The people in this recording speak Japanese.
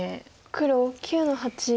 黒９の八。